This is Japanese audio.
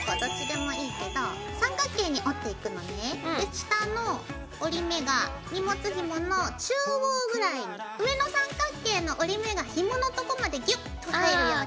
下の折り目が荷物ひもの中央ぐらいに上の三角形の折り目がひものとこまでギュッと入るように。